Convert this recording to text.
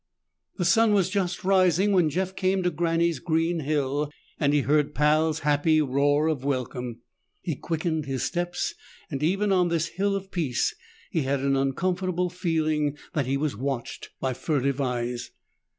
The sun was just rising when Jeff came to Granny's green hill, and he heard Pal's happy roar of welcome. He quickened his steps, and even on this hill of peace he had an uncomfortable feeling that he was watched by furtive eyes.